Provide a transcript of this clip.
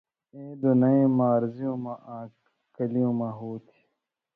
اېں دُنئیں مارزیوں مہ آں کلیۡ مہ ہو تھہ